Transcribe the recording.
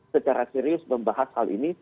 secara serius membahas hal ini